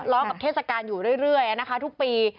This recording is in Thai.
ล้อกับเทศกาลอยู่เรื่อยนะคะทุกปี